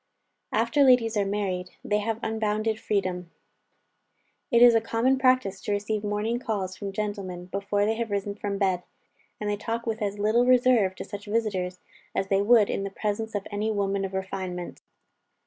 After ladies are married, they have unbounded freedom. It is a common practice to receive morning calls from gentlemen, before they have risen from bed; and they talk with as little reserve to such visiters, as they would in the presence of any woman of refinement.